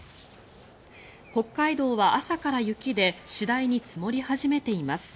北海道は朝から雪で次第に積もり始めています。